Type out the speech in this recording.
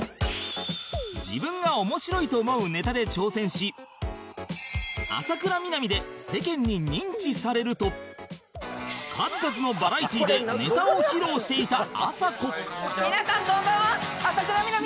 自分が面白いと思うネタで挑戦し浅倉南で世間に認知されると数々のバラエティでネタを披露していたあさこ